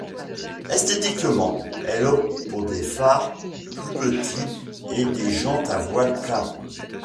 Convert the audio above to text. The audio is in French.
Esthétiquement, elle opte pour des phares plus petits et des jantes à voile plein.